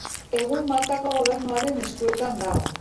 Egun Maltako gobernuaren eskuetan dago.